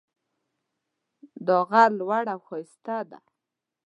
دا غر لوړ او ښایسته ده